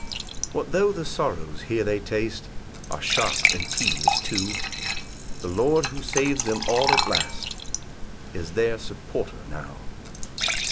4 What tho' the sorrows here they taste Are sharp and tedious too, The Lord, who saves them all at last, Is their supporter now.